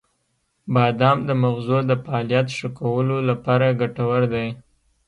• بادام د مغزو د فعالیت ښه کولو لپاره ګټور دی.